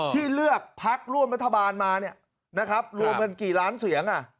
ที่เลือกพักร่วมรัฐบาลมาเนี่ยนะครับรวมเป็นกี่ล้านเสียงอ่ะ